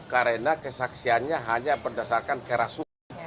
karena kesaksiannya hanya berdasarkan kerasuk